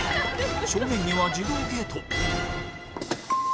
正面には自動ゲート